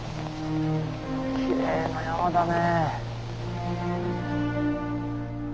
きれいな山だね。